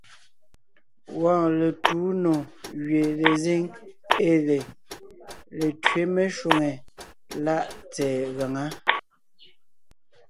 Wɔɔn letuu nò gẅie lezíŋ ée lê Letẅě meshwóŋè láʼ tsɛ̀ɛ gaŋá.